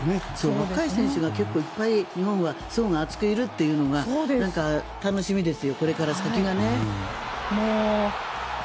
若い選手が日本は層が厚くいるというのが楽しみですよ、これから先が。